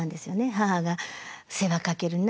母が「世話かけるな。